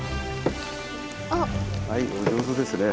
はいお上手ですね。